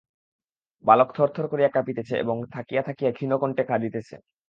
বালক থরধর করিয়া কাঁপিতেছে এবং থাকিয়া থাকিয়া ক্ষীণ কণ্ঠে কাঁদিতেছে।